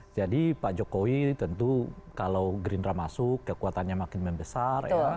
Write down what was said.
jadi pak jokowi tentu kalau gerindra masuk kekuatannya makin membesar